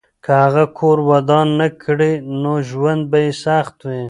که هغه کور ودان نه کړي، نو ژوند به یې سخت وي.